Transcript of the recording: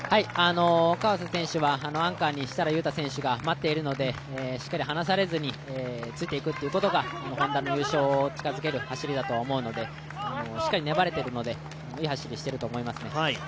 川瀬選手はアンカーに設楽悠太選手が待っているのでしっかり離されずについていくということがＨｏｎｄａの優勝に近づける走りだと思いますので、しっかり粘れているのでいい走りしていると思います。